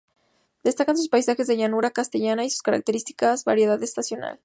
Destacan sus paisajes de llanura castellana y su característica variedad estacional.